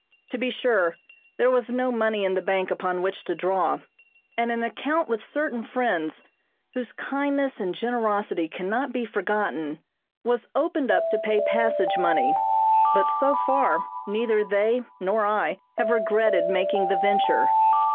To be sure, there was no money in the bank upon which to draw, and an account with certain friends whose kindness and generosity cannot be forgotten, was opened up to pay passage money; but so far neither they nor I have regretted making the venture.